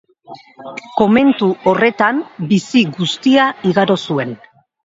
Komentu horretan bizi guztia igaro zuen.